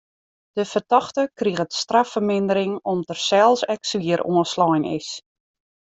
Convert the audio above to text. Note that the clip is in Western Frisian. De fertochte kriget straffermindering om't er sels ek swier oanslein is.